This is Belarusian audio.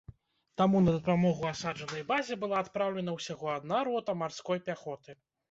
Таму на дапамогу асаджанай базе была адпраўлена ўсяго адна рота марской пяхоты.